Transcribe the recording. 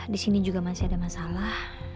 disini juga masih ada masalah